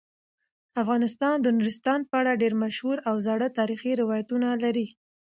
افغانستان د نورستان په اړه ډیر مشهور او زاړه تاریخی روایتونه لري.